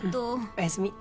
おやすみ。